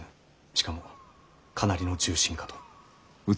しかもかなりの重臣かと。